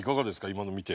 今の見て。